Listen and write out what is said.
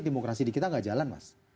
demokrasi di kita nggak jalan mas